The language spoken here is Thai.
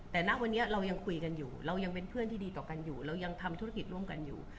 แต่ณวันนี้เรายังคุยกันอยู่เรายังเป็นเพื่อนที่ดีต่อกันอยู่เรายังทำธุรกิจร่วมกันอยู่